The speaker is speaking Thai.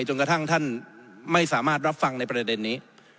จนกระทั่งท่านไม่สามารถรับฟังในประเด็นนี้